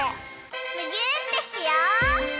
むぎゅーってしよう！